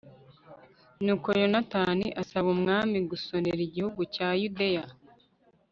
nuko yonatani asaba umwami gusonera igihugu cya yudeya